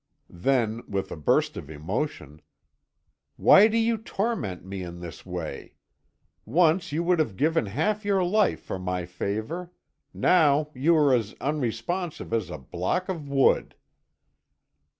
Then, with a burst of emotion, "Why do you torment me in this way? Once you would have given half your life for my favor; now you are as unresponsive as a block of wood."